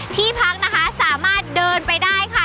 ที่พักนะคะสามารถเดินไปได้ค่ะ